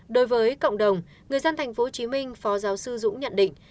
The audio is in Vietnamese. đối với cộng đồng người dân tp hcm phó giáo sư dũng nhận định